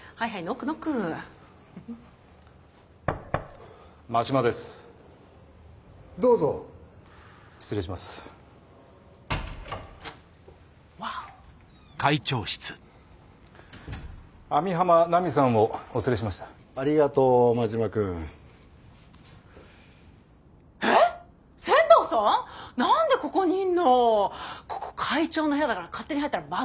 ここ会長の部屋だから勝手に入ったらまずいって。